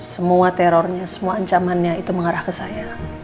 semua terornya semua ancamannya itu mengarah ke saya